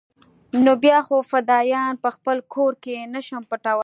نو بيا خو فدايان په خپل کور کښې نه شم پټولاى.